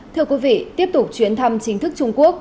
thưa quý vị tiếp tục chuyến thăm chính thức trung quốc